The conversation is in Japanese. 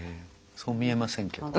そう見えませんけどね。